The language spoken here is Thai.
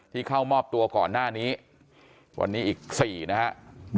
เข้ามอบตัวก่อนหน้านี้วันนี้อีก๔นะครับ